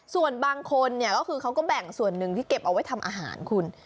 ส่วนบางคนเนี่ยก็คือเขาก็แบ่งส่วนหนึ่งที่เก็บเอาไว้ทำอาหารคุณ